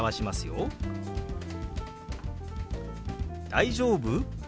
「大丈夫？」。